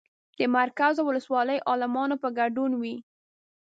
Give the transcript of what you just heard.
د مرکز او ولسوالۍ عالمانو په ګډون وي.